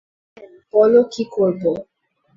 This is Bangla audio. চেয়ারম্যান, বলো কী করবো?